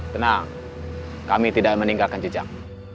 tenang kami tidak meninggalkan jejak